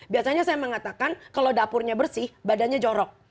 biasanya saya mengatakan kalau dapurnya bersih badannya jorok